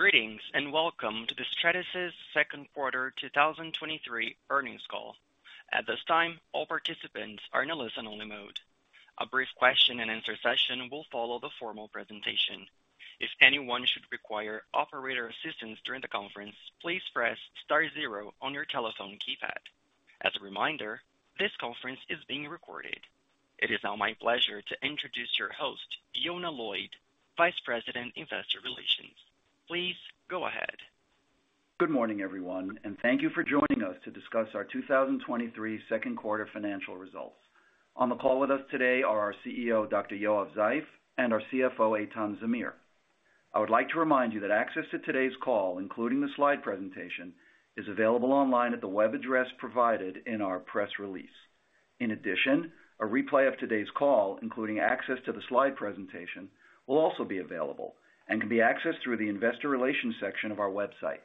Greetings. Welcome to the Stratasys Q2 2023 earnings call. At this time, all participants are in a listen-only mode. A brief question and answer session will follow the formal presentation. If anyone should require operator assistance during the conference, please press star zero on your telephone keypad. As a reminder, this conference is being recorded. It is now my pleasure to introduce your host, Yonah Lloyd, Vice President, Investor Relations. Please go ahead. Good morning, everyone. Thank you for joining us to discuss our 2023 Q2 financial results. On the call with us today are our CEO, Dr. Yoav Zeif, and our CFO, Eitan Zamir. I would like to remind you that access to today's call, including the slide presentation, is available online at the web address provided in our press release. In addition, a replay of today's call, including access to the slide presentation, will also be available and can be accessed through the investor relations section of our website.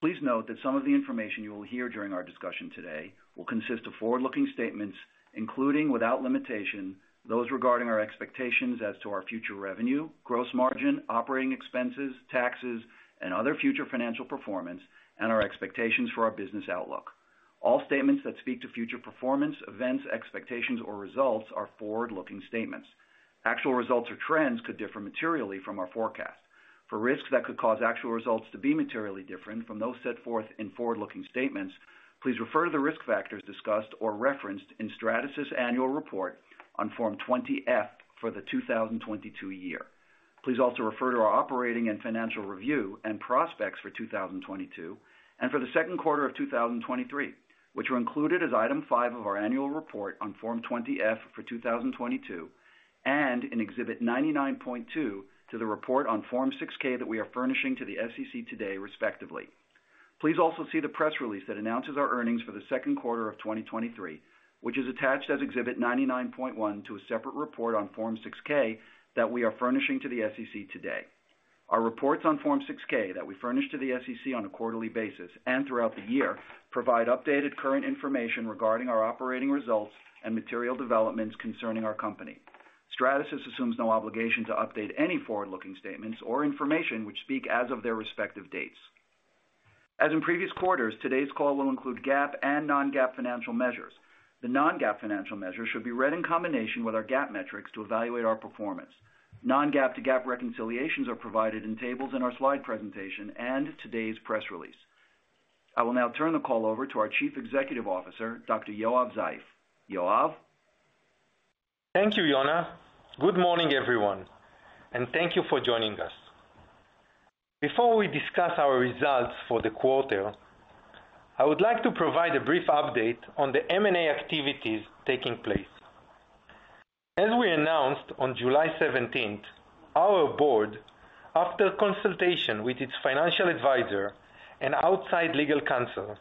Please note that some of the information you will hear during our discussion today will consist of forward-looking statements, including, without limitation, those regarding our expectations as to our future revenue, gross margin, operating expenses, taxes, and other future financial performance, and our expectations for our business outlook. All statements that speak to future performance, events, expectations, or results are forward-looking statements. Actual results or trends could differ materially from our forecast. For risks that could cause actual results to be materially different from those set forth in forward-looking statements, please refer to the risk factors discussed or referenced in Stratasys annual report on Form 20-F for the 2022 year. Please also refer to our operating and financial review and prospects for 2022, and for the Q2 of 2023, which are included as item 5 of our annual report on Form 20-F for 2022, and in Exhibit 99.2 to the report on Form 6-K that we are furnishing to the SEC today, respectively. Please also see the press release that announces our earnings for the Q2 of 2023, which is attached as Exhibit 99.1 to a separate report on Form 6-K that we are furnishing to the SEC today. Our reports on Form 6-K that we furnish to the SEC on a quarterly basis and throughout the year, provide updated current information regarding our operating results and material developments concerning our company. Stratasys assumes no obligation to update any forward-looking statements or information which speak as of their respective dates. As in previous quarters, today's call will include GAAP and non-GAAP financial measures. The non-GAAP financial measures should be read in combination with our GAAP metrics to evaluate our performance. Non-GAAP to GAAP reconciliations are provided in tables in our slide presentation and today's press release. I will now turn the call over to our Chief Executive Officer, Dr. Yoav Zeif. Yoav? Thank you, Yonah. Good morning, everyone, and thank you for joining us. Before we discuss our results for the quarter, I would like to provide a brief update on the M&A activities taking place. As we announced on July 17th, our board, after consultation with its financial advisor and outside legal counsel,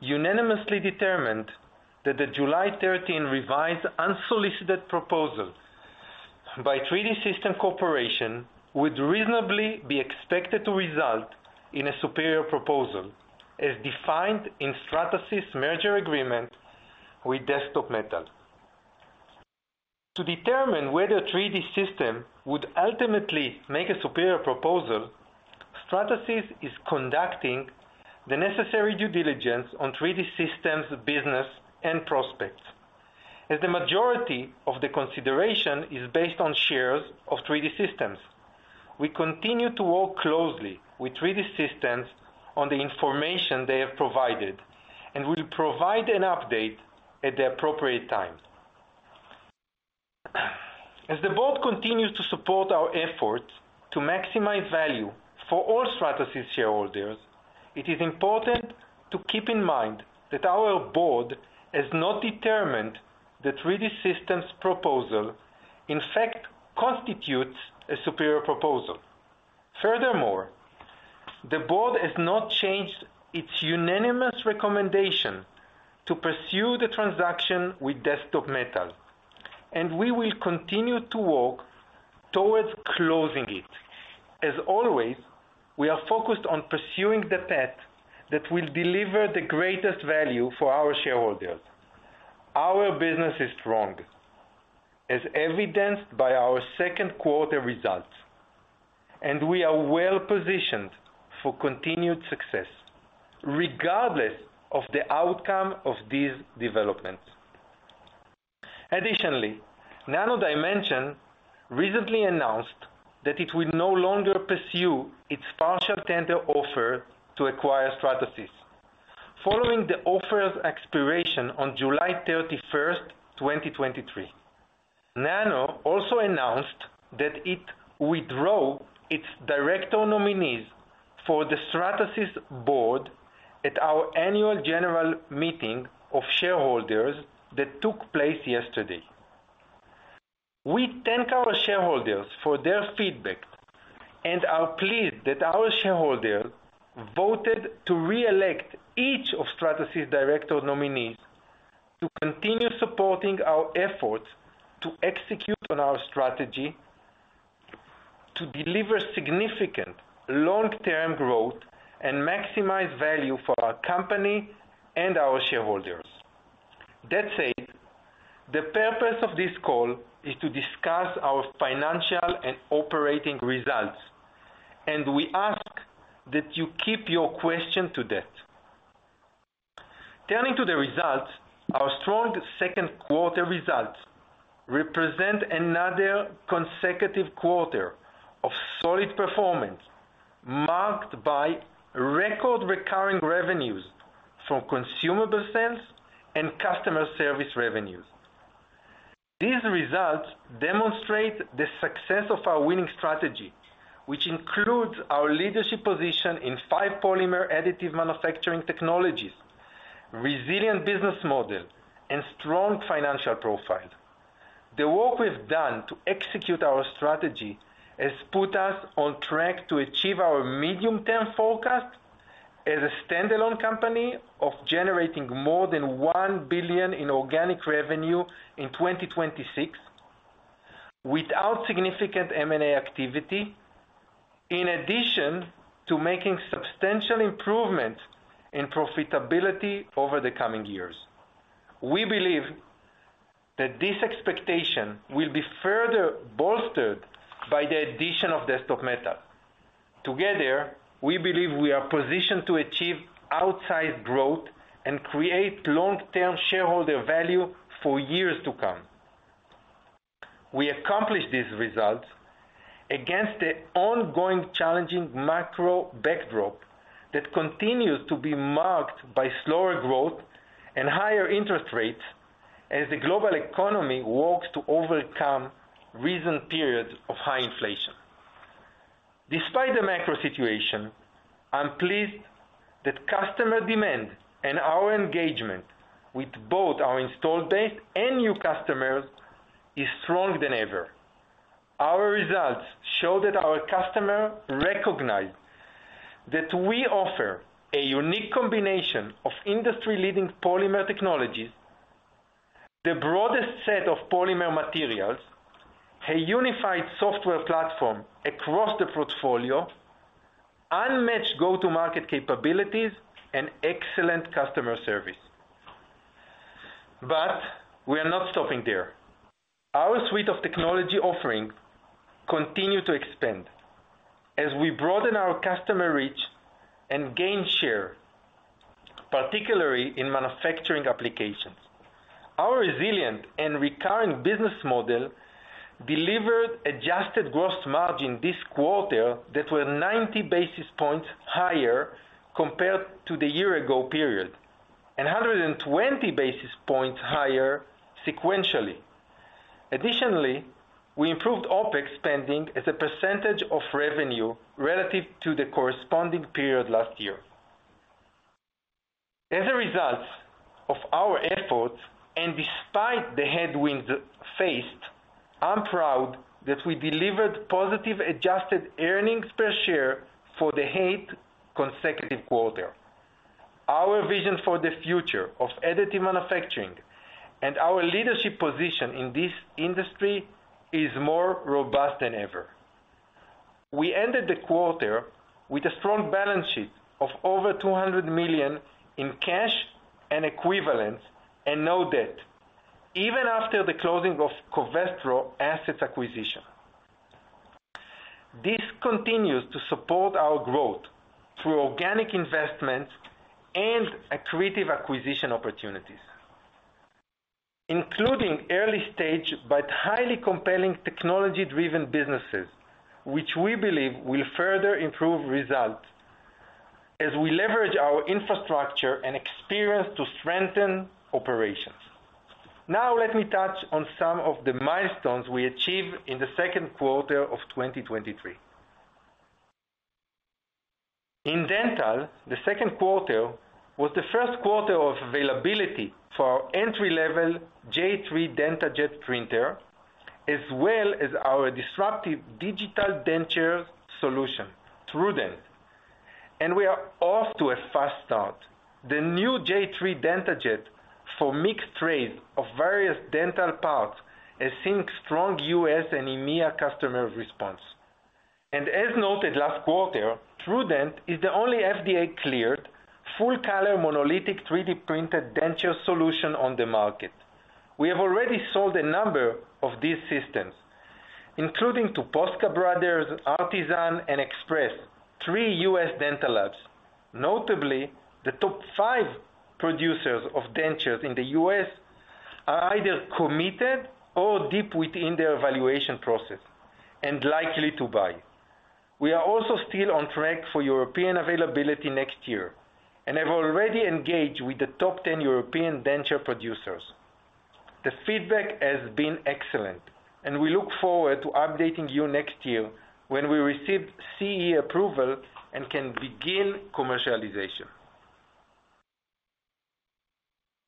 unanimously determined that the July 13 revised unsolicited proposal by 3D Systems Corporation, would reasonably be expected to result in a superior proposal, as defined in Stratasys merger agreement with Desktop Metal. To determine whether 3D Systems would ultimately make a superior proposal, Stratasys is conducting the necessary due diligence on 3D Systems business and prospects. As the majority of the consideration is based on shares of 3D Systems, we continue to work closely with 3D Systems on the information they have provided, and will provide an update at the appropriate time. As the board continues to support our efforts to maximize value for all Stratasys shareholders, it is important to keep in mind that our board has not determined the 3D Systems proposal, in fact, constitutes a superior proposal. Furthermore, the board has not changed its unanimous recommendation to pursue the transaction with Desktop Metal, and we will continue to work towards closing it. As always, we are focused on pursuing the path that will deliver the greatest value for our shareholders. Our business is strong, as evidenced by our Q2 results, and we are well positioned for continued success, regardless of the outcome of these developments. Additionally, Nano Dimension recently announced that it will no longer pursue its partial tender offer to acquire Stratasys. Following the offer's expiration on July 31, 2023, Nano also announced that it withdrew its director nominees for the Stratasys board at our annual general meeting of shareholders that took place yesterday. We thank our shareholders for their feedback, are pleased that our shareholders voted to reelect each of Stratasys director nominees, to continue supporting our efforts to execute on our strategy, to deliver significant long-term growth and maximize value for our company and our shareholders. That said, the purpose of this call is to discuss our financial and operating results, and we ask that you keep your question to that. Turning to the results, our strong Q2 results represent another consecutive quarter of solid performance, marked by record recurring revenues from consumable sales and customer service revenues. These results demonstrate the success of our winning strategy, which includes our leadership position in five polymer additive manufacturing technologies, resilient business model, and strong financial profile. The work we've done to execute our strategy has put us on track to achieve our medium-term forecast as a standalone company of generating more than $1 billion in organic revenue in 2026, without significant M&A activity, in addition to making substantial improvement in profitability over the coming years. We believe that this expectation will be further bolstered by the addition of Desktop Metal. Together, we believe we are positioned to achieve outsized growth and create long-term shareholder value for years to come. We accomplished these results against the ongoing challenging macro backdrop that continues to be marked by slower growth and higher interest rates as the global economy works to overcome recent periods of high inflation. Despite the macro situation, I'm pleased that customer demand and our engagement with both our installed base and new customers is stronger than ever. Our results show that our customers recognize that we offer a unique combination of industry-leading polymer technologies, the broadest set of polymer materials, a unified software platform across the portfolio, unmatched go-to-market capabilities, and excellent customer service. We are not stopping there. Our suite of technology offerings continue to expand as we broaden our customer reach and gain share, particularly in manufacturing applications. Our resilient and recurring business model delivered adjusted gross margin this quarter that were 90 basis points higher compared to the year-ago period, and 120 basis points higher sequentially. Additionally, we improved OpEx spending as a percentage of revenue relative to the corresponding period last year. As a result of our efforts, and despite the headwinds faced, I'm proud that we delivered positive adjusted earnings per share for the eighth consecutive quarter. Our vision for the future of additive manufacturing and our leadership position in this industry is more robust than ever. We ended the quarter with a strong balance sheet of over $200 million in cash and equivalents and no debt, even after the closing of Covestro assets acquisition. This continues to support our growth through organic investments and accretive acquisition opportunities, including early stage, but highly compelling technology-driven businesses, which we believe will further improve results as we leverage our infrastructure and experience to strengthen operations. Now, let me touch on some of the milestones we achieved in the Q2 of 2023. In dental, the Q2 was the Q1 of availability for our entry-level J3 DentaJet printer, as well as our disruptive digital denture solution, TrueDent, and we are off to a fast start. The new J3 DentaJet for mixed trays of various dental parts has seen strong U.S. and EMEA customer response. As noted last quarter, TrueDent is the only FDA-cleared, full-color, monolithic 3D-printed denture solution on the market. We have already sold a number of these systems, including to Posca Brothers, Artisan, and Express, three U.S. dental labs. Notably, the top five producers of dentures in the U.S. are either committed or deep within their evaluation process and likely to buy. We are also still on track for European availability next year and have already engaged with the top 10 European denture producers. The feedback has been excellent, and we look forward to updating you next year when we receive CE approval and can begin commercialization.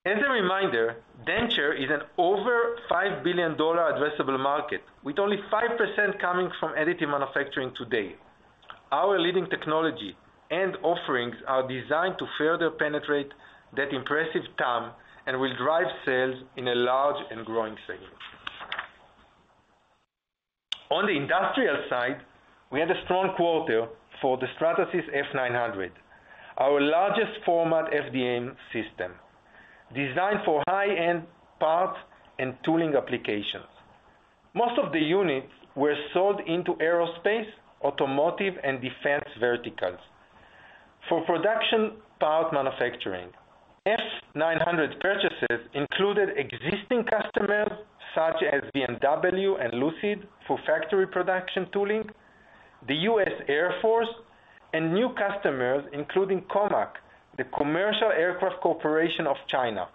As a reminder, denture is an over $5 billion addressable market, with only 5% coming from additive manufacturing today. Our leading technology and offerings are designed to further penetrate that impressive TAM and will drive sales in a large and growing segment. On the industrial side, we had a strong quarter for the Stratasys F900, our largest format FDM system, designed for high-end parts and tooling applications. Most of the units were sold into aerospace, automotive, and defense verticals. For production part manufacturing, F900 purchases included existing customers such as BMW and Lucid for factory production tooling, the U.S. Air Force, and new customers, including COMAC, the Commercial Aircraft Corporation of China,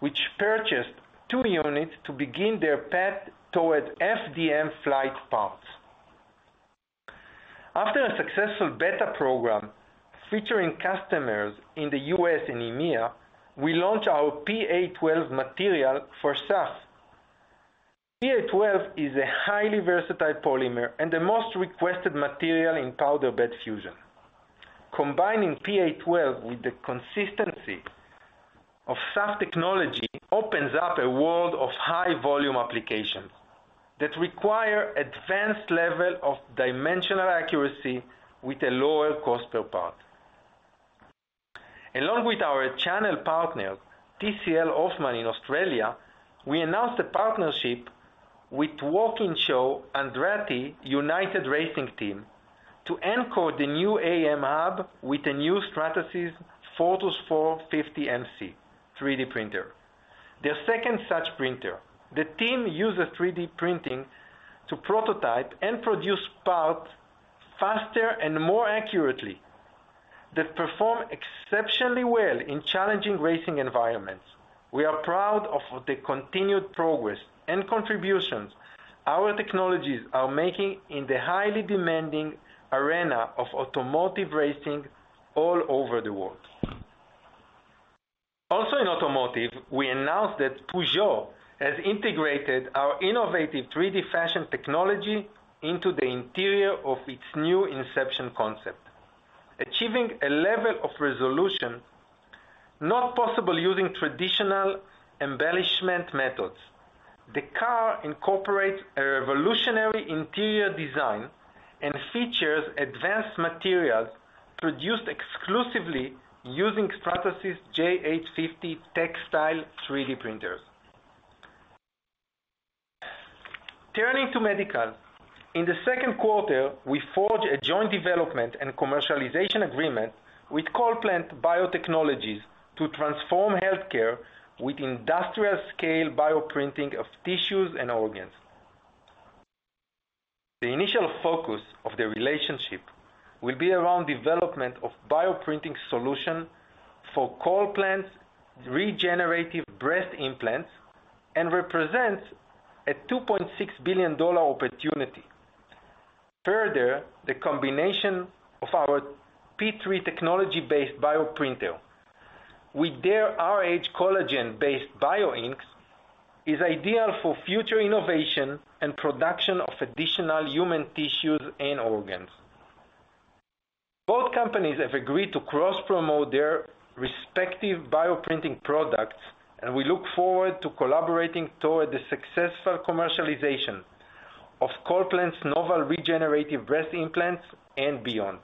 which purchased two units to begin their path towards FDM flight parts. After a successful beta program featuring customers in the U.S. and EMEA, we launched our PA12 material for SAF. PA12 is a highly versatile polymer and the most requested material in Powder Bed Fusion. Combining PA12 with the consistency of SAF technology opens up a world of high volume applications that require advanced level of dimensional accuracy with a lower cost per part. Along with our channel partner, TCL Hofmann in Australia, we announced a partnership with Walkinshaw Andretti United Racing Team to anchor the new AM hub with a new Stratasys Fortus 450mc 3D printer. Their second such printer, the team uses a 3D printing to prototype and produce parts faster and more accurately, that perform exceptionally well in challenging racing environments. We are proud of the continued progress and contributions our technologies are making in the highly demanding arena of automotive racing all over the world. In automotive, we announced that Peugeot has integrated our innovative 3DFashion technology into the interior of its new Inception Concept, achieving a level of resolution not possible using traditional embellishment methods. The car incorporates a revolutionary interior design and features advanced materials produced exclusively using Stratasys J850 textile 3D printers. Turning to medical. In the Q2, we forged a joint development and commercialization agreement with CollPlant Biotechnologies to transform healthcare with industrial-scale bioprinting of tissues and organs. The initial focus of the relationship will be around development of bioprinting solution for CollPlant's regenerative breast implants and represents a $2.6 billion opportunity. Further, the combination of our P3 technology-based bioprinter with their rhCollagen-based bioinks is ideal for future innovation and production of additional human tissues and organs. Both companies have agreed to cross-promote their respective bioprinting products. We look forward to collaborating toward the successful commercialization of CollPlant's novel regenerative breast implants and beyond.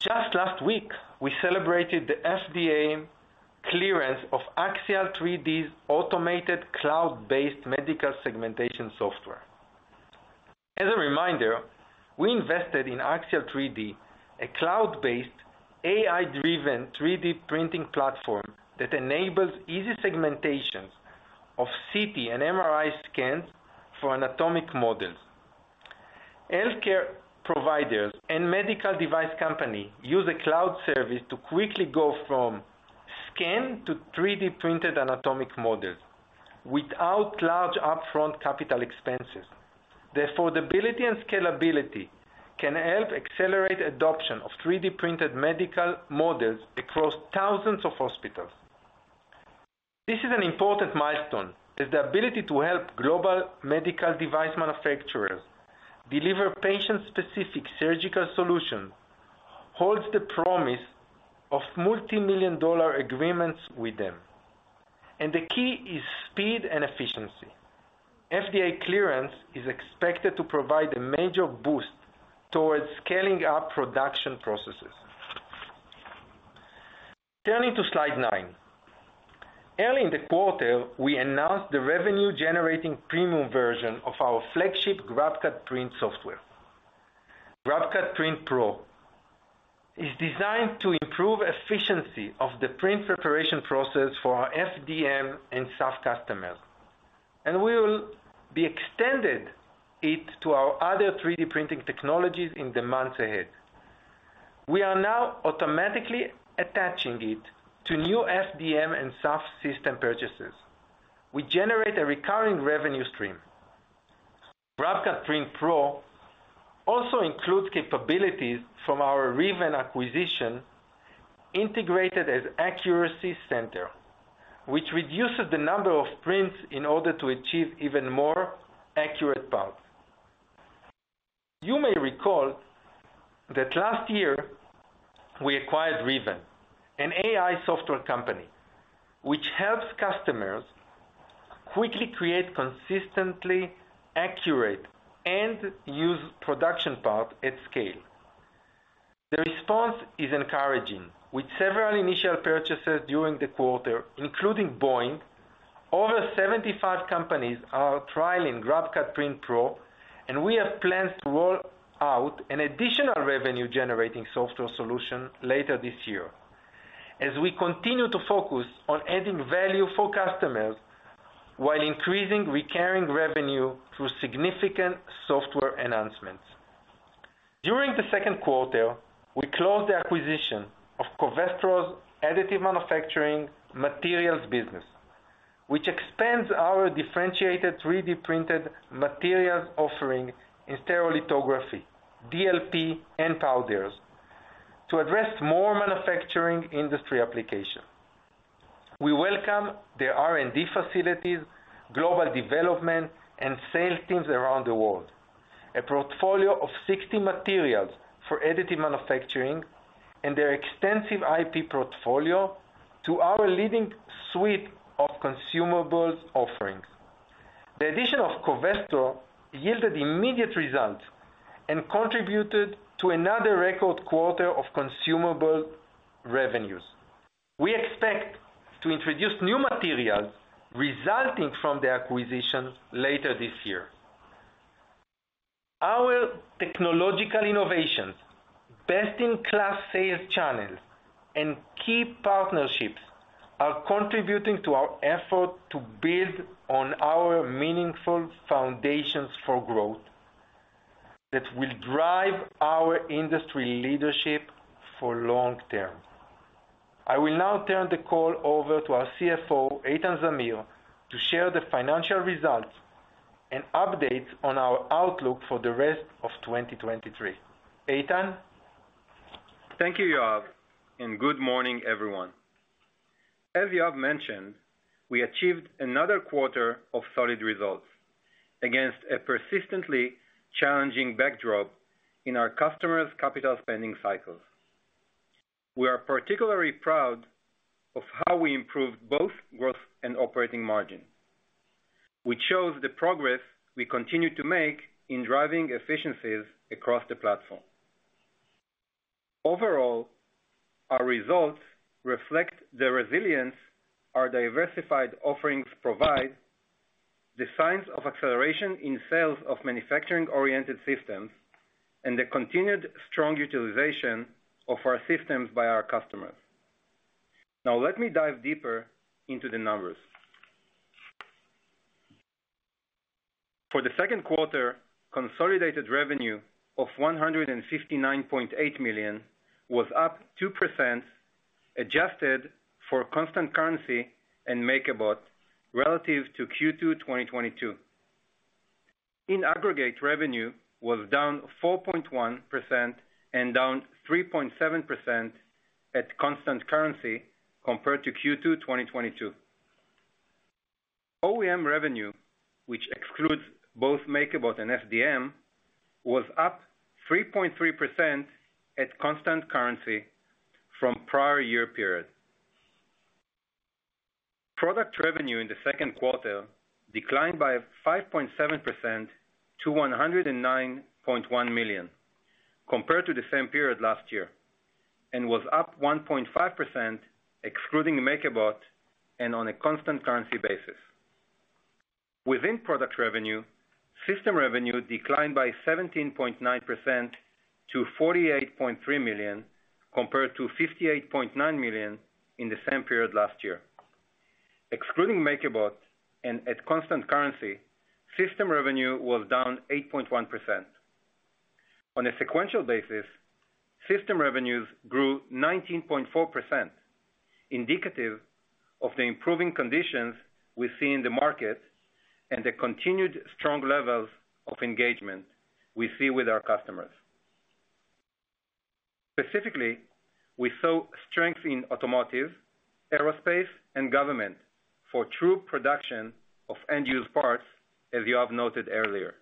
Just last week, we celebrated the FDA clearance of Axial3D's automated cloud-based medical segmentation software. As a reminder, we invested in Axial3D, a cloud-based, AI-driven, 3D printing platform that enables easy segmentations of CT and MRI scans for anatomic models. Healthcare providers and medical device companies use a cloud service to quickly go from scan to 3D printed anatomic models without large upfront capital expenses. The affordability and scalability can help accelerate adoption of 3D printed medical models across thousands of hospitals. This is an important milestone, as the ability to help global medical device manufacturers deliver patient-specific surgical solutions, holds the promise of multimillion-dollar agreements with them, and the key is speed and efficiency. FDA clearance is expected to provide a major boost towards scaling up production processes. Turning to slide 9. Early in the quarter, we announced the revenue-generating premium version of our flagship GrabCAD Print software. GrabCAD Print Pro is designed to improve efficiency of the print preparation process for our FDM and SAF customers, and we will be extended it to our other 3D printing technologies in the months ahead. We are now automatically attaching it to new FDM and SAF system purchases. We generates a recurring revenue stream. GrabCAD Print Pro also includes capabilities from our Riven acquisition, integrated as Accuracy Center, which reduces the number of prints in order to achieve even more accurate parts. You may recall that last year, we acquired Riven, an AI software company, which helps customers quickly create consistently accurate and use production parts at scale. The response is encouraging, with several initial purchases during the quarter, including Boeing. Over 75 companies are trialing GrabCAD Print Pro, we have plans to roll out an additional revenue-generating software solution later this year. As we continue to focus on adding value for customers, while increasing recurring revenue through significant software announcements. During the Q2, we closed the acquisition of Covestro's additive manufacturing materials business, which expands our differentiated, 3D printed materials offering in stereolithography, DLP, and powders, to address more manufacturing industry application. We welcome the R&D facilities, global development, and sales teams around the world. A portfolio of 60 materials for additive manufacturing and their extensive IP portfolio to our leading suite of consumables offerings. The addition of Covestro yielded immediate results and contributed to another record quarter of consumable revenues. We expect to introduce new materials resulting from the acquisition later this year. Our technological innovations, best-in-class sales channels, and key partnerships are contributing to our effort to build on our meaningful foundations for growth, that will drive our industry leadership for long term. I will now turn the call over to our CFO, Eitan Zamir, to share the financial results and updates on our outlook for the rest of 2023. Eitan? Thank you, Yoav. Good morning, everyone. As Yoav mentioned, we achieved another quarter of solid results against a persistently challenging backdrop in our customers' capital spending cycles. We are particularly proud of how we improved both growth and operating margin, which shows the progress we continue to make in driving efficiencies across the platform. Overall, our results reflect the resilience our diversified offerings provide, the signs of acceleration in sales of manufacturing-oriented systems, and the continued strong utilization of our systems by our customers. Let me dive deeper into the numbers. For the Q2, consolidated revenue of $159.8 million was up 2%, adjusted for constant currency and MakerBot, relative to Q2 2022. In aggregate, revenue was down 4.1% and down 3.7% at constant currency compared to Q2 2022. OEM revenue, which excludes both MakerBot and FDM, was up 3.3% at constant currency from prior year period. Product revenue in the Q2 declined by 5.7% to $109.1 million, compared to the same period last year, and was up 1.5%, excluding MakerBot and on a constant currency basis. Within product revenue, system revenue declined by 17.9% to $48.3 million, compared to $58.9 million in the same period last year. Excluding MakerBot and at constant currency, system revenue was down 8.1%. On a sequential basis, system revenues grew 19.4%, indicative of the improving conditions we see in the market and the continued strong levels of engagement we see with our customers. Specifically, we saw strength in automotive, aerospace, and government for true production of end-use parts, as Yoav noted earlier.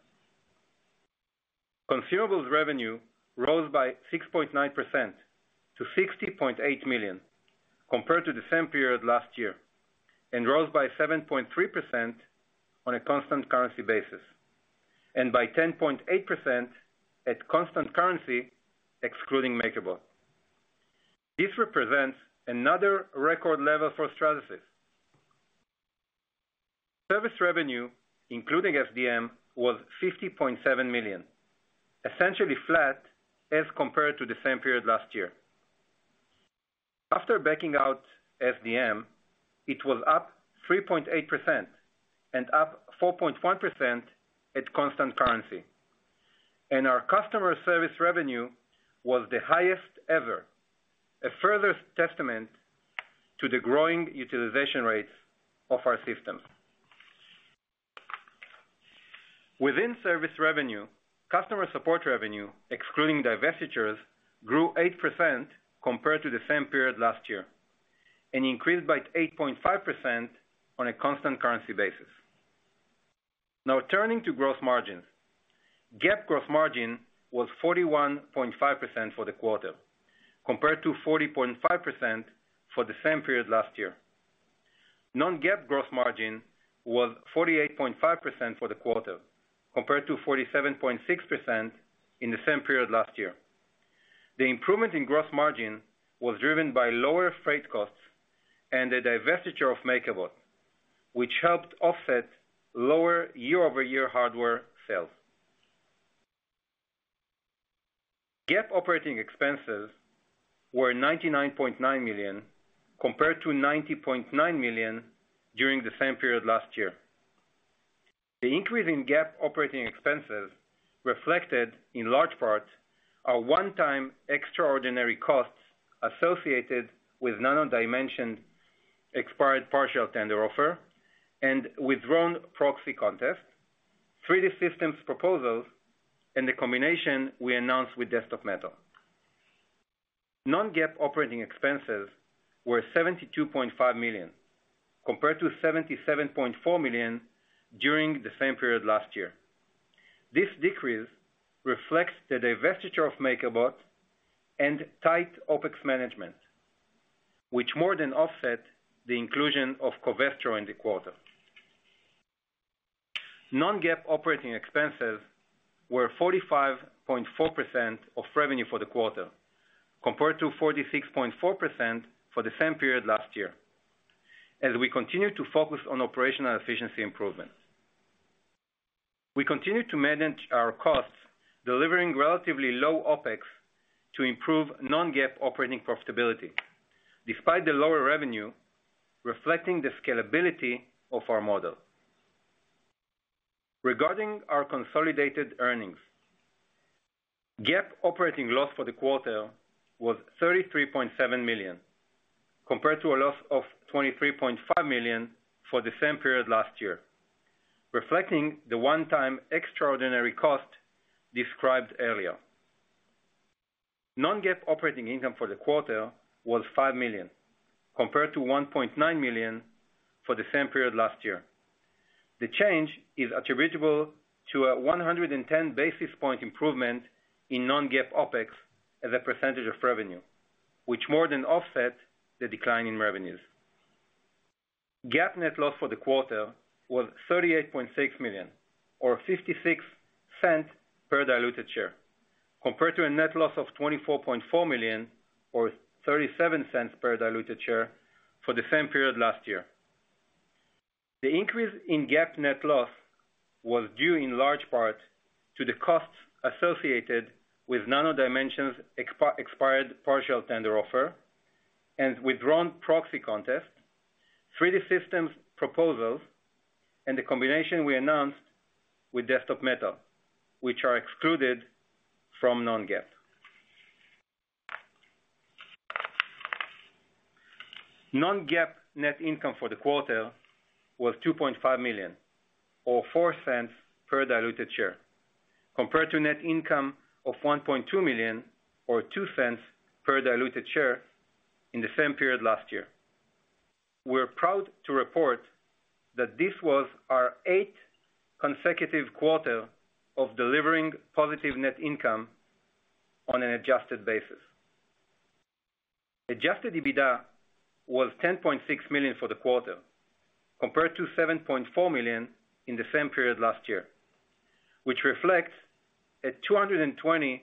Consumables revenue rose by 6.9% to $60.8 million, compared to the same period last year, and rose by 7.3% on a constant currency basis, and by 10.8% at constant currency, excluding MakerBot. This represents another record level for Stratasys. Service revenue, including FDM, was $50.7 million, essentially flat as compared to the same period last year. After backing out FDM, it was up 3.8% and up 4.1% at constant currency. Our customer service revenue was the highest ever, a further testament to the growing utilization rates of our systems. Within service revenue, customer support revenue, excluding divestitures, grew 8% compared to the same period last year. Increased by 8.5% on a constant currency basis. Now, turning to gross margins. GAAP gross margin was 41.5% for the quarter, compared to 40.5% for the same period last year. Non-GAAP gross margin was 48.5% for the quarter, compared to 47.6% in the same period last year. The improvement in gross margin was driven by lower freight costs and the divestiture of MakerBot, which helped offset lower year-over-year hardware sales. GAAP operating expenses were $99.9 million, compared to $90.9 million during the same period last year. The increase in GAAP operating expenses reflected, in large part, a one-time extraordinary costs associated with Nano Dimension, expired partial tender offer, and withdrawn proxy contest, 3D Systems proposals, and the combination we announced with Desktop Metal. Non-GAAP operating expenses were $72.5 million, compared to $77.4 million during the same period last year. This decrease reflects the divestiture of MakerBot and tight OpEx management, which more than offset the inclusion of Covestro in the quarter. Non-GAAP operating expenses were 45.4% of revenue for the quarter, compared to 46.4% for the same period last year, as we continue to focus on operational efficiency improvements. We continue to manage our costs, delivering relatively low OpEx to improve non-GAAP operating profitability, despite the lower revenue, reflecting the scalability of our model. Regarding our consolidated earnings, GAAP operating loss for the quarter was $33.7 million, compared to a loss of $23.5 million for the same period last year, reflecting the one-time extraordinary cost described earlier. Non-GAAP operating income for the quarter was $5 million, compared to $1.9 million for the same period last year. The change is attributable to a 110 basis point improvement in non-GAAP OpEx as a % of revenue, which more than offset the decline in revenues. GAAP net loss for the quarter was $38.6 million, or $0.56 per diluted share, compared to a net loss of $24.4 million, or $0.37 per diluted share for the same period last year. The increase in GAAP net loss was due in large part to the costs associated with Nano Dimension's expired partial tender offer and withdrawn proxy contest, 3D Systems proposals, and the combination we announced with Desktop Metal, which are excluded from non-GAAP. Non-GAAP net income for the quarter was $2.5 million, or $0.04 per diluted share, compared to net income of $1.2 million, or $0.02 per diluted share in the same period last year. We're proud to report that this was our eighth consecutive quarter of delivering positive net income on an adjusted basis. Adjusted EBITDA was $10.6 million for the quarter, compared to $7.4 million in the same period last year, which reflects a 220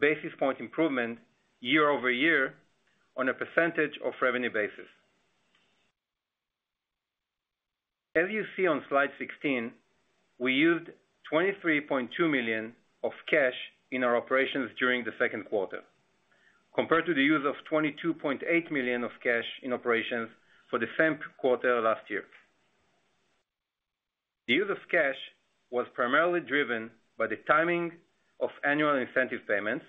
basis point improvement year-over-year on a percentage of revenue basis. As you see on slide 16, we used $23.2 million of cash in our operations during the Q2, compared to the use of $22.8 million of cash in operations for the same quarter last year. The use of cash was primarily driven by the timing of annual incentive payments,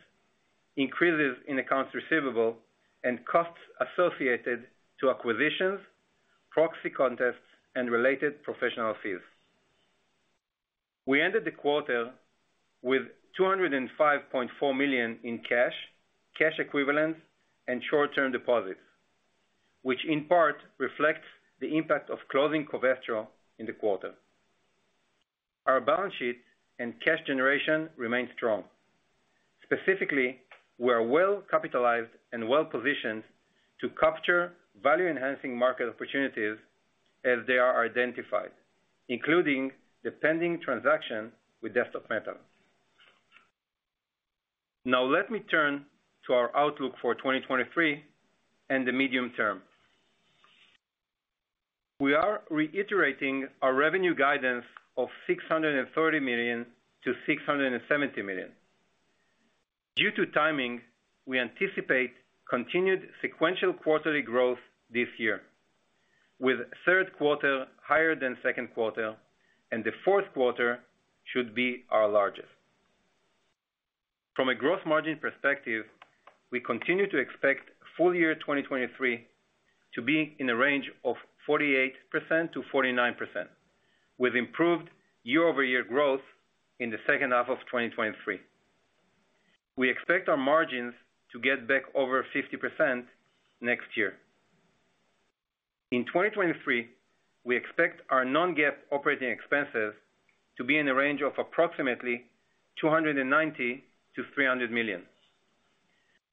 increases in accounts receivable, and costs associated to acquisitions, proxy contests, and related professional fees. We ended the quarter with $205.4 million in cash, cash equivalents, and short-term deposits, which in part reflects the impact of closing Covestro in the quarter. Our balance sheet and cash generation remains strong. Specifically, we are well capitalized and well positioned to capture value-enhancing market opportunities as they are identified, including the pending transaction with Desktop Metal. Let me turn to our outlook for 2023 and the medium term. We are reiterating our revenue guidance of $630 million-$670 million. Due to timing, we anticipate continued sequential quarterly growth this year, with Q3 higher than Q2, and the Q4 should be our largest. From a gross margin perspective, we continue to expect full year 2023 to be in the range of 48%-49%, with improved year-over-year growth in the second half of 2023. We expect our margins to get back over 50% next year. In 2023, we expect our non-GAAP operating expenses to be in the range of approximately $290 million-$300 million.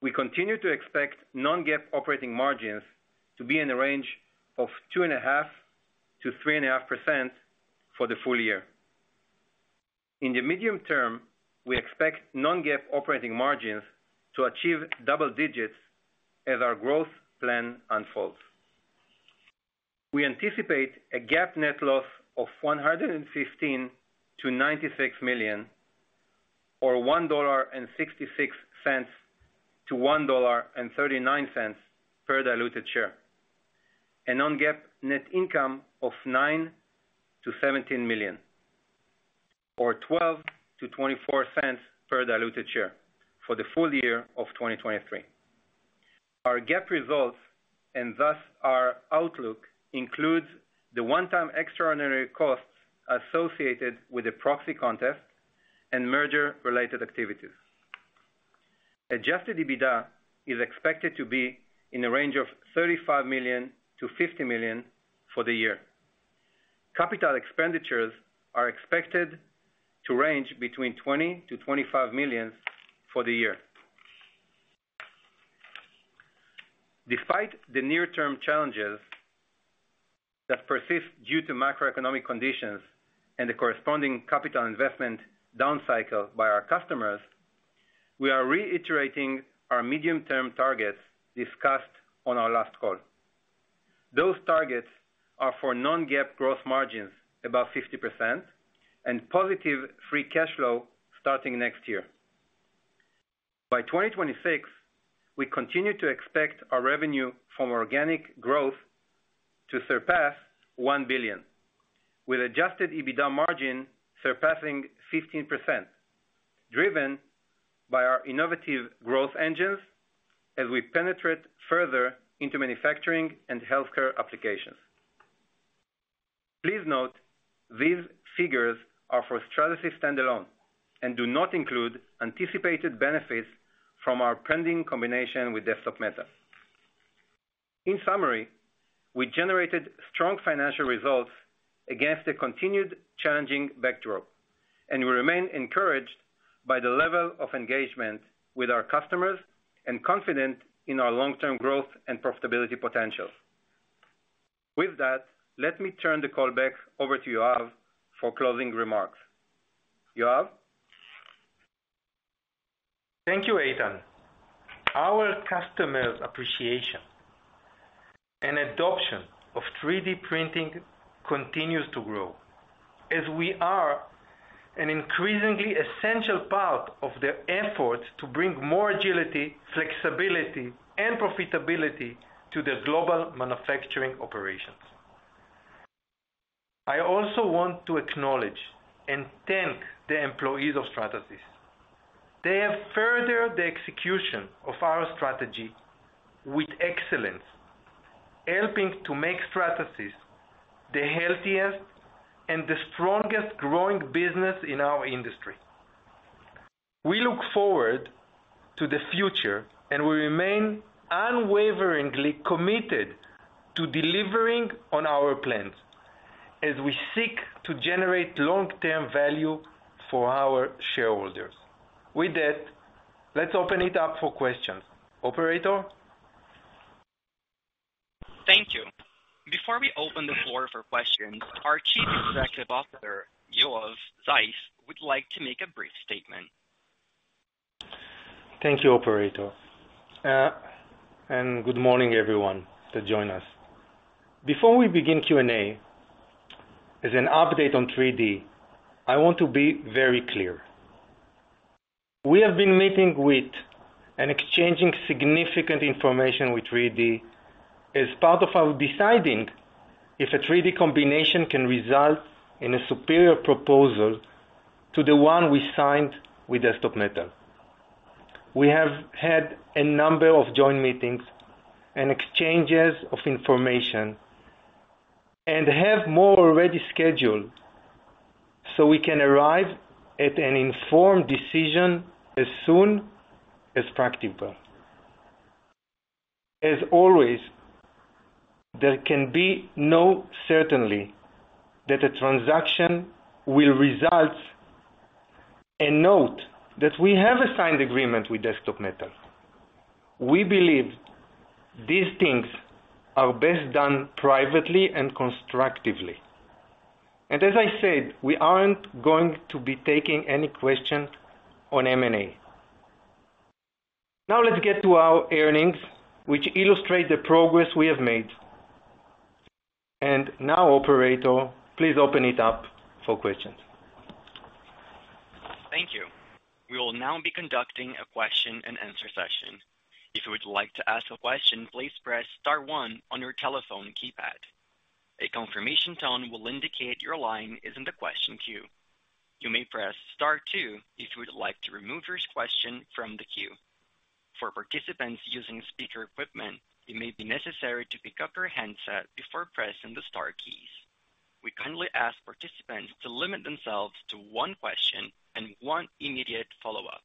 We continue to expect non-GAAP operating margins to be in the range of 2.5%-3.5% for the full year. In the medium term, we expect non-GAAP operating margins to achieve double digits as our growth plan unfolds. We anticipate a GAAP net loss of $115 million-$96 million, or $1.66-$1.39 per diluted share, and non-GAAP net income of $9 million-$17 million, or $0.12-$0.24 per diluted share for the full year of 2023. Our GAAP results, and thus our outlook, includes the one-time extraordinary costs associated with the proxy contest and merger-related activities. Adjusted EBITDA is expected to be in the range of $35 million-$50 million for the year. Capital expenditures are expected to range between $20 million-$25 million for the year. Despite the near-term challenges that persist due to macroeconomic conditions and the corresponding capital investment downcycle by our customers, we are reiterating our medium-term targets discussed on our last call. Those targets are for non-GAAP gross margins above 50% and positive free cash flow starting next year. By 2026, we continue to expect our revenue from organic growth to surpass $1 billion, with adjusted EBITDA margin surpassing 15%, driven by our innovative growth engines as we penetrate further into manufacturing and healthcare applications. Please note, these figures are for Stratasys standalone and do not include anticipated benefits from our pending combination with Desktop Metal. In summary, we generated strong financial results against a continued challenging backdrop, we remain encouraged by the level of engagement with our customers and confident in our long-term growth and profitability potential. With that, let me turn the call back over to Yoav for closing remarks. Yoav? Thank you, Eitan. Our customers' appreciation and adoption of 3D printing continues to grow as we are an increasingly essential part of their efforts to bring more agility, flexibility, and profitability to their global manufacturing operations. I also want to acknowledge and thank the employees of Stratasys. They have furthered the execution of our strategy with excellence, helping to make Stratasys the healthiest and the strongest growing business in our industry. We remain unwaveringly committed to delivering on our plans as we seek to generate long-term value for our shareholders. With that, let's open it up for questions. Operator? Thank you. Before we open the floor for questions, our Chief Executive Officer, Yoav Zeif, would like to make a brief statement. Thank you, operator, good morning, everyone, to join us. Before we begin Q&A, as an update on 3D Systems, I want to be very clear. We have been meeting with and exchanging significant information with 3D Systems as part of our deciding if a 3D Systems combination can result in a superior proposal to the one we signed with Desktop Metal. We have had a number of joint meetings and exchanges of information and have more already scheduled, so we can arrive at an informed decision as soon as practical. As always, there can be no certainty that a transaction will result, note that we have a signed agreement with Desktop Metal. We believe these things are best done privately and constructively. As I said, we aren't going to be taking any questions on M&A. Now, let's get to our earnings, which illustrate the progress we have made. Now, operator, please open it up for questions. Thank you. We will now be conducting a question-and-answer session. If you would like to ask a question, please press star one on your telephone keypad. A confirmation tone will indicate your line is in the question queue. You may press star two if you would like to remove your question from the queue. For participants using speaker equipment, it may be necessary to pick up your handset before pressing the star keys. We kindly ask participants to limit themselves to one question and one immediate follow-up.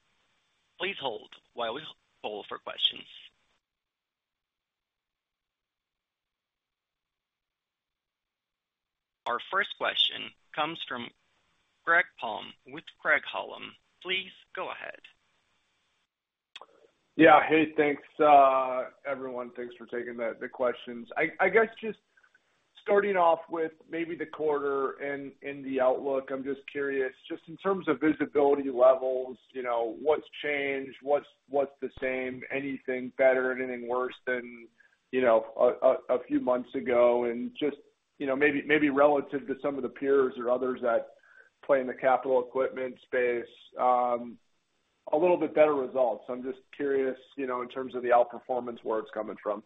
Please hold while we hold for questions. Our first question comes from Greg Palm with Craig-Hallum. Please go ahead. Yeah. Hey, thanks, everyone. Thanks for taking the questions. I guess just starting off with maybe the quarter and the outlook, I'm just curious, just in terms of visibility levels, you know, what's changed? What's the same? Anything better, anything worse than, you know, a few months ago? Just, you know, maybe relative to some of the peers or others that play in the capital equipment space, a little bit better results. I'm just curious, you know, in terms of the outperformance, where it's coming from.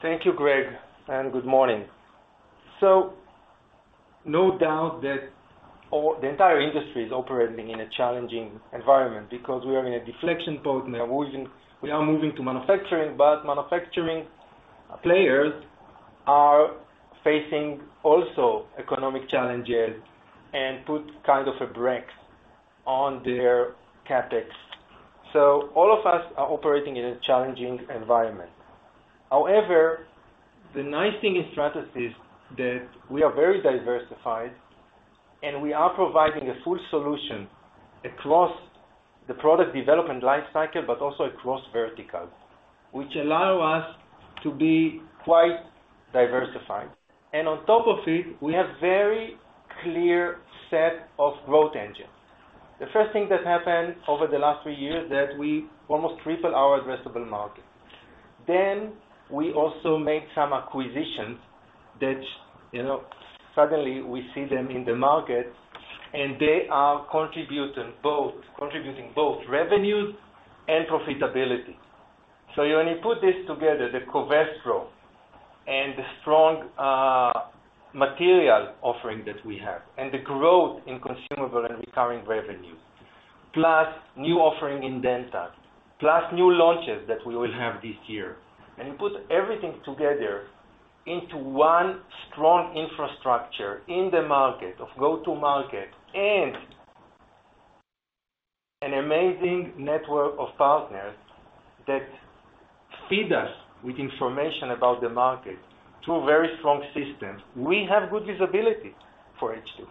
Thank you, Greg, and good morning. No doubt that the entire industry is operating in a challenging environment because we are in a deflection mode, and we are moving to manufacturing, but manufacturing players are facing also economic challenges and put kind of a brake on their CapEx. All of us are operating in a challenging environment. However, the nice thing in Stratasys, that we are very diversified, and we are providing a full solution across the product development life cycle, but also across verticals, which allow us to be quite diversified. On top of it, we have very clear set of growth engines. The first thing that happened over the last three years, that we almost triple our addressable market. We also made some acquisitions that, you know, suddenly we see them in the market, and they are contributing both revenue and profitability. When you put this together, the Covestro and the strong material offering that we have, and the growth in consumable and recurring revenue, plus new offering in dental, plus new launches that we will have this year, and put everything together into one strong infrastructure in the market, of go-to market and an amazing network of partners that feed us with information about the market through very strong systems. We have good visibility for H2.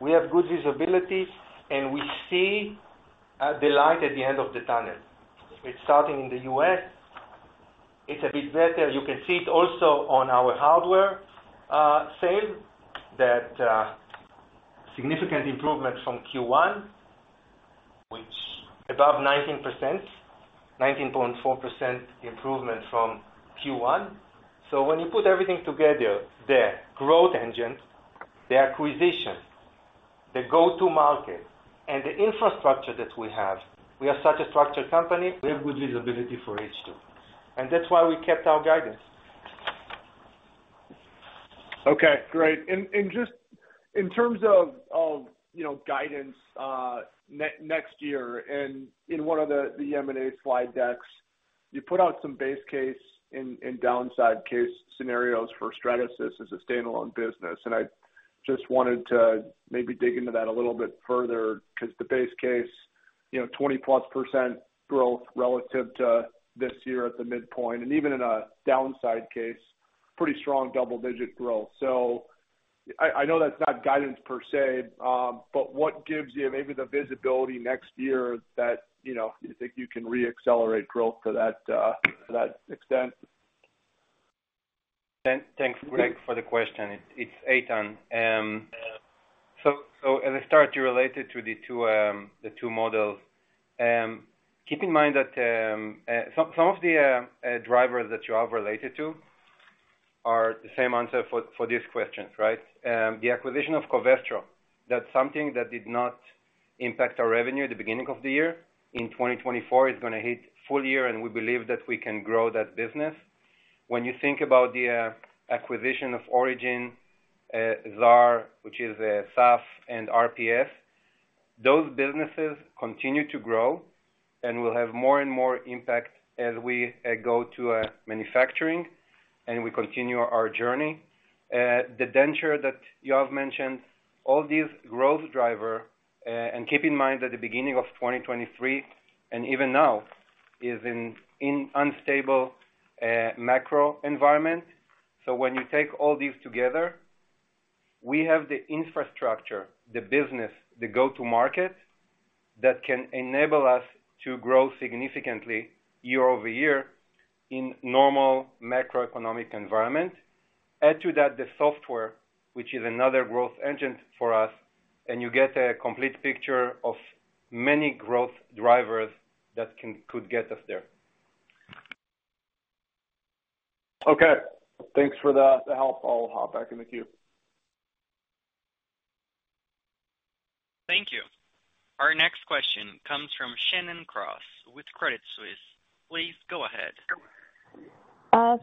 We have good visibility, and we see the light at the end of the tunnel. It's starting in the US. It's a bit better. You can see it also on our hardware, sale, that, significant improvement from Q1, which above 19%, 19.4% improvement from Q1. When you put everything together, the growth engine, the acquisition, the go-to market, and the infrastructure that we have, we are such a structured company, we have good visibility for H2. That's why we kept our guidance. Okay, great. Just in terms of, of, you know, guidance, next year, and in one of the, the M&A slide decks, you put out some base case and, and downside case scenarios for Stratasys as a standalone business. I just wanted to maybe dig into that a little bit further, because the base case, you know, 20+% growth relative to this year at the midpoint, and even in a downside case, pretty strong double-digit growth. I know that's not guidance per se, but what gives you maybe the visibility next year that, you know, you think you can reaccelerate growth to that extent? Thanks, Greg, for the question. It's, Eitan. So as I start to relate it to the two, the two models, keep in mind that some, some of the, drivers that you have related to are the same answer for, for these questions, right? The acquisition of Covestro, that's something that did not impact our revenue at the beginning of the year. In 2024, it's gonna hit full year, and we believe that we can grow that business. When you think about the, acquisition of Origin, Xaar, which is, SAF and RPS, those businesses continue to grow and will have more and more impact as we, go to, manufacturing and we continue our journey. The denture that you have mentioned, all these growth driver, and keep in mind at the beginning of 2023, and even now, is in, in unstable macro environment. When you take all these together, we have the infrastructure, the business, the go-to market, that can enable us to grow significantly year-over-year in normal macroeconomic environment. Add to that, the software, which is another growth engine for us, and you get a complete picture of many growth drivers that could get us there. Okay. Thanks for the help. I'll hop back in the queue. Thank you. Our next question comes from Shannon Cross with Credit Suisse. Please go ahead.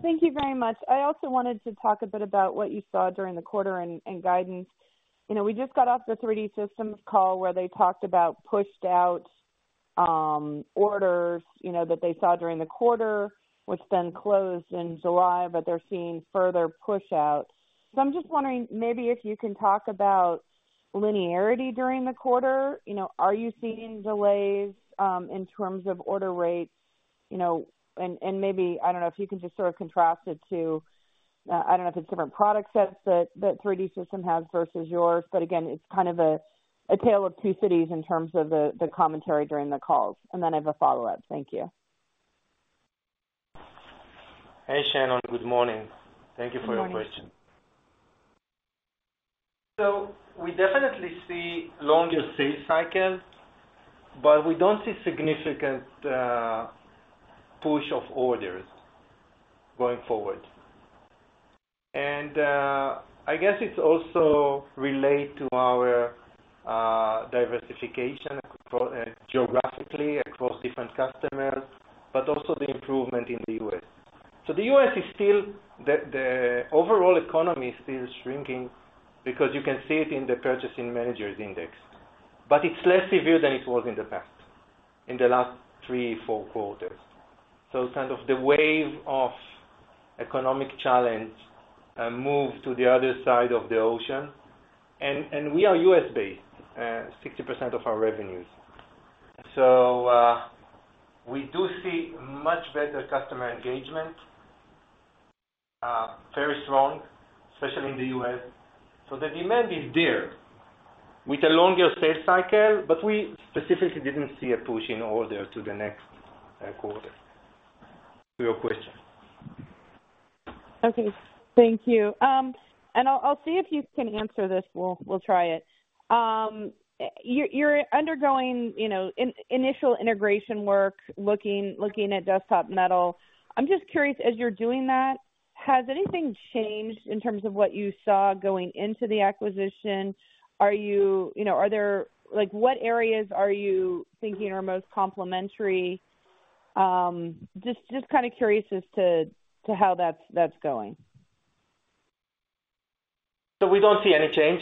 Thank you very much. I also wanted to talk a bit about what you saw during the quarter and, and guidance. You know, we just got off the 3D Systems call, where they talked about pushed out, orders, you know, that they saw during the quarter, which then closed in July, but they're seeing further push out. I'm just wondering, maybe if you can talk about linearity during the quarter? You know, are you seeing delays, in terms of order rates? You know, and, and maybe, I don't know if you can just sort of contrast it to, I don't know if it's different product sets that 3D Systems has versus yours, but again, it's kind of a, a tale of two cities in terms of the, the commentary during the calls. Then I have a follow-up. Thank you. Hey, Shannon. Good morning. Thank you for your question. Good morning. We definitely see longer sales cycles, but we don't see significant push of orders going forward. I guess it's also relate to our diversification geographically across different customers, but also the improvement in the U.S. The U.S. is still, the, the overall economy is still shrinking because you can see it in the Purchasing Managers' Index, but it's less severe than it was in the past, in the last three, four quarters. Kind of the wave of economic challenge moved to the other side of the ocean. We are U.S.-based, 60% of our revenues. We do see much better customer engagement, very strong, especially in the U.S. The demand is there with a longer sales cycle, but we specifically didn't see a push in order to the next quarter. To your question. Okay, thank you. I'll see if you can answer this, we'll try it. You're undergoing, you know, initial integration work, looking at Desktop Metal. I'm just curious, as you're doing that, has anything changed in terms of what you saw going into the acquisition? You know, like, what areas are you thinking are most complementary? Just kind of curious as to how that's going. We don't see any change,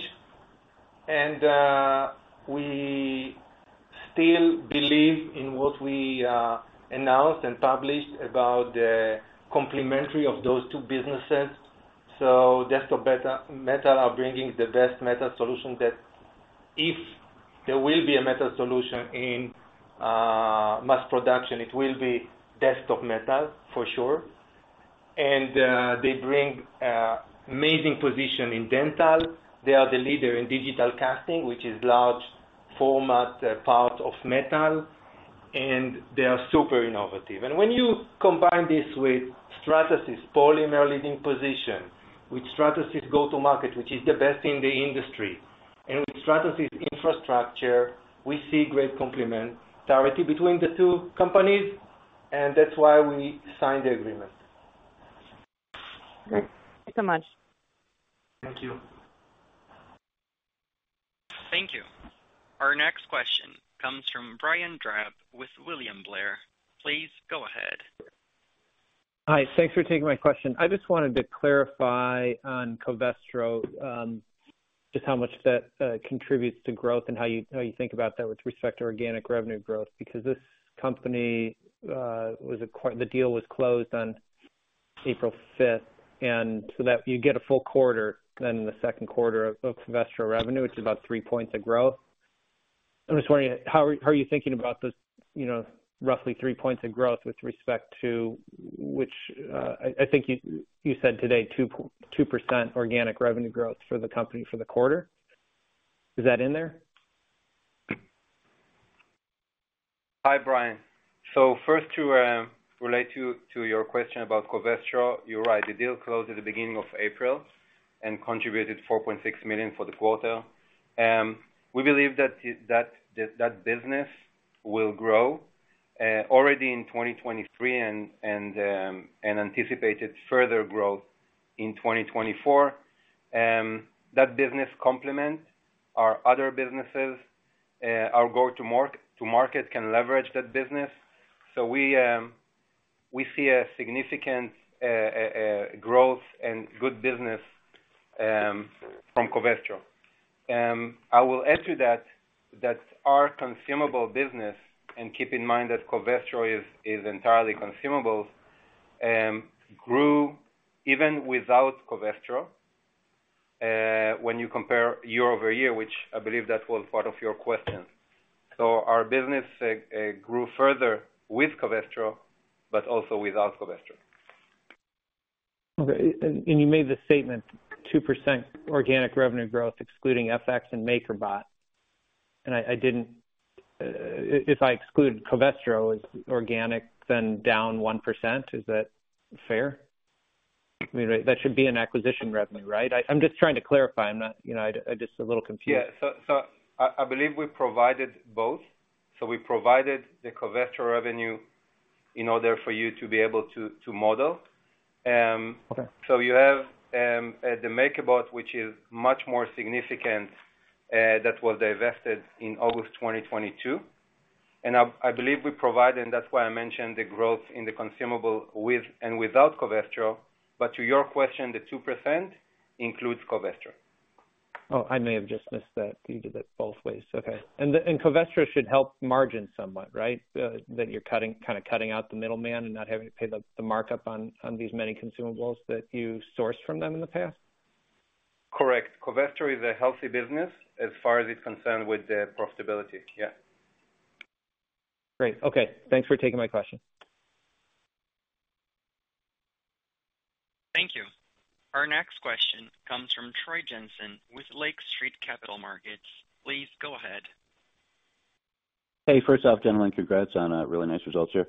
and we still believe in what we announced and published about the complementary of those two businesses. Desktop Metal are bringing the best metal solution that if there will be a metal solution in mass production, it will be Desktop Metal, for sure. They bring amazing position in dental. They are the leader in digital casting, which is large format, part of metal, and they are super innovative. When you combine this with Stratasys' polymer leading position, with Stratasys go-to-market, which is the best in the industry, and with Stratasys infrastructure, we see great complement, synergy between the two companies, and that's why we signed the agreement. Great. Thanks so much. Thank you. Thank you. Our next question comes from Brian Drab with William Blair. Please go ahead. Hi, thanks for taking my question. I just wanted to clarify on Covestro, just how much that contributes to growth and how you, how you think about that with respect to organic revenue growth, because this company was acquired. The deal was closed on April 5th, and so that you get a full quarter then the Q2 of Covestro revenue, which is about three points of growth. I'm just wondering, how are, how are you thinking about this, you know, roughly three points of growth with respect to which, I think you, you said today 2% organic revenue growth for the company for the quarter. Is that in there? Hi, Brian. First to relate to your question about Covestro, you're right, the deal closed at the beginning of April and contributed $4.6 million for the quarter. We believe that business will grow already in 2023 and anticipated further growth in 2024. That business complement our other businesses, our go to market can leverage that business. We see a significant growth and good business from Covestro. I will add to that our consumable business, and keep in mind that Covestro is, is entirely consumable, grew even without Covestro, when you compare year-over-year, which I believe that was part of your question. Our business grew further with Covestro, but also without Covestro. Okay. You made the statement, 2% organic revenue growth, excluding FX and MakerBot, and I didn't if I exclude Covestro as organic, then down 1%, is that fair? I mean, that should be an acquisition revenue, right? I'm just trying to clarify. I'm not, you know, I'm just a little confused. Yeah. So, I believe we provided both. So we provided the Covestro revenue in order for you to be able to, to model. Okay. You have the MakerBot, which is much more significant, that was divested in August 2022. I believe we provide, and that's why I mentioned the growth in the consumable with and without Covestro. To your question, the 2% includes Covestro. Oh, I may have just missed that. You did it both ways. Okay. Covestro should help margin somewhat, right, that you're kinda cutting out the middleman and not having to pay the markup on these many consumables that you sourced from them in the past. Correct. Covestro is a healthy business as far as it's concerned with the profitability. Yeah. Great. Okay. Thanks for taking my question. Thank you. Our next question comes from Troy Jensen with Lake Street Capital Markets. Please go ahead. Hey, first off, gentlemen, congrats on, really nice results here.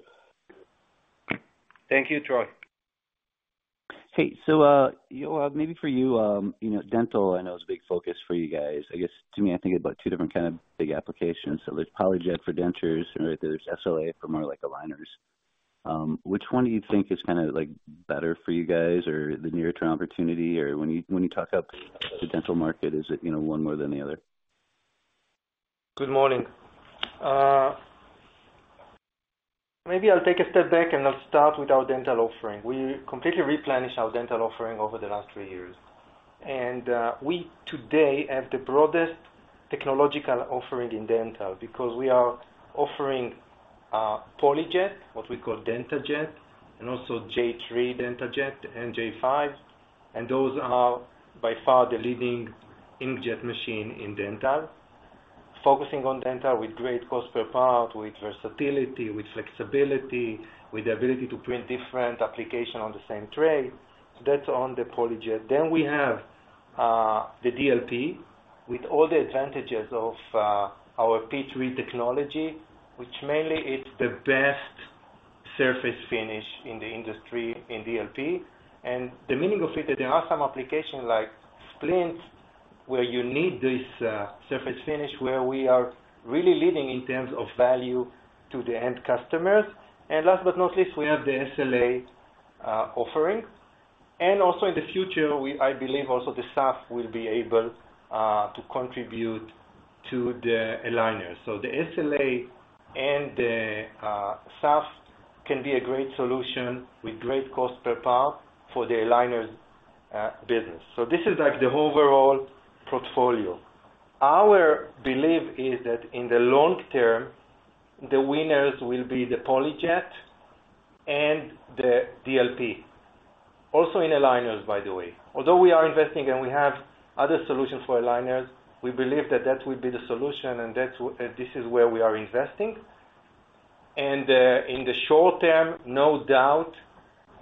Thank you, Troy. Hey, Yoav, maybe for you, you know, dental, I know is a big focus for you guys. I guess, to me, I think about two different kind of big applications. There's PolyJet for dentures, or there's SLA for more like aligners. Which one do you think is kinda like better for you guys or the near-term opportunity? When you talk up the dental market, is it, you know, one more than the other? Good morning. Maybe I'll take a step back, and I'll start with our dental offering. We completely replenished our dental offering over the last three years. We today have the broadest technological offering in dental, because we are offering PolyJet, what we call DentaJet, and also J3 DentaJet and J5, and those are by far the leading inkjet machine in dental. Focusing on dental with great cost per part, with versatility, with flexibility, with the ability to print different application on the same tray. That's on the PolyJet. We have the DLP, with all the advantages of our P3 technology, which mainly is the best surface finish in the industry in DLP. The meaning of it, there are some applications like splints, where you need this surface finish, where we are really leading in terms of value to the end customers. Last but not least, we have the SLA offering. Also in the future, I believe also the SAF will be able to contribute to the aligner. The SLA and the SAF can be a great solution with great cost per part for the aligners business. This is like the overall portfolio. Our belief is that in the long term, the winners will be the PolyJet and the DLP. Also, in aligners, by the way. Although we are investing and we have other solutions for aligners, we believe that that will be the solution, and that's this is where we are investing. In the short term, no doubt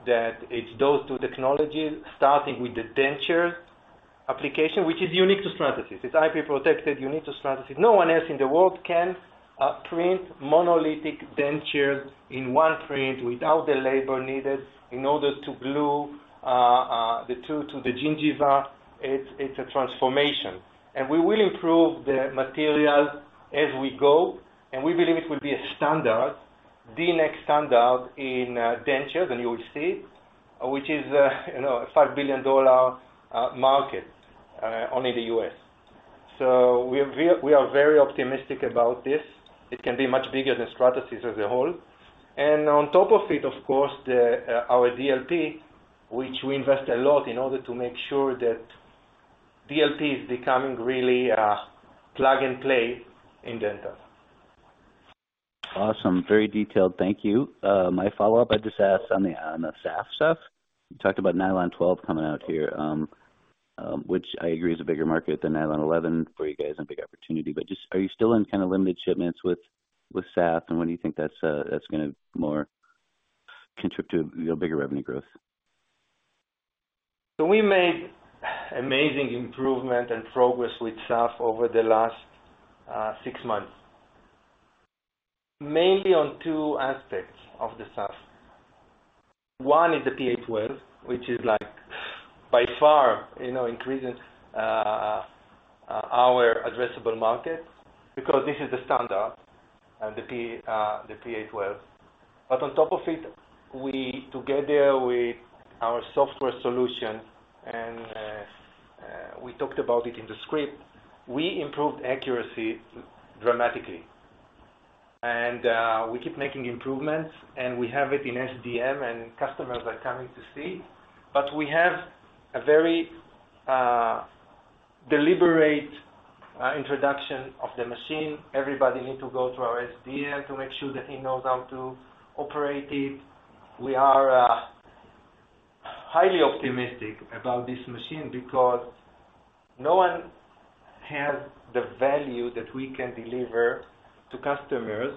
that it's those two technologies, starting with the denture application, which is unique to Stratasys. It's IP protected, unique to Stratasys. No one else in the world can print monolithic dentures in one print without the labor needed in order to glue the two to the gingiva. It's a transformation. We will improve the material as we go, and we believe it will be a standard, the next standard in dentures, and you will see, which is, you know, a $5 billion market only in the U.S. We are very optimistic about this. It can be much bigger than Stratasys as a whole. On top of it, of course, our DLP, which we invest a lot in order to make sure that DLP is becoming really, plug-and-play in dental. Awesome. Very detailed. Thank you. My follow-up, I just asked on the, on the SAF stuff. You talked about Nylon 12 coming out here, which I agree, is a bigger market than Nylon 11 for you guys, and a big opportunity, but just, are you still in kind of limited shipments with, with SAF? And when do you think that's gonna more contribute to, you know, bigger revenue growth? We made amazing improvement and progress with SAF over the last six months. Mainly on two aspects of the SAF. One is the PA12, which is like, by far, you know, increasing our addressable market, because this is the standard, the PA12. On top of it, we, together with our software solution, and we talked about it in the script, we improved accuracy dramatically. We keep making improvements, and we have it in SDM, and customers are coming to see. We have a very deliberate introduction of the machine. Everybody need to go through our SDM to make sure that he knows how to operate it. We are highly optimistic about this machine because no one has the value that we can deliver to customers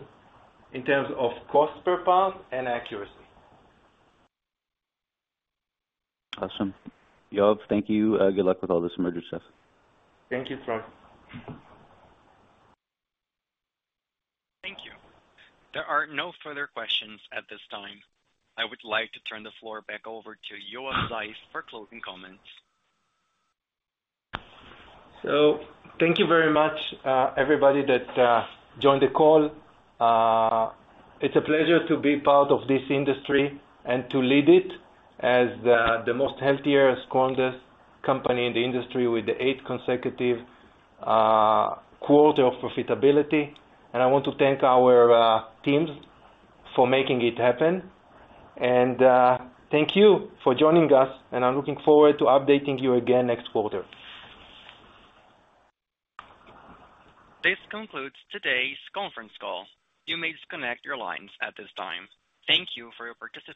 in terms of cost per part and accuracy. Awesome. Yoav, thank you. Good luck with all this merger stuff. Thank you, Troy. Thank you. There are no further questions at this time. I would like to turn the floor back over to Yoav Zeif for closing comments. Thank you very much, everybody that joined the call. It's a pleasure to be part of this industry and to lead it as the most healthiest, strongest company in the industry with the eighth consecutive quarter of profitability. I want to thank our teams for making it happen. Thank you for joining us, and I'm looking forward to updating you again next quarter. This concludes today's conference call. You may disconnect your lines at this time. Thank you for your participation.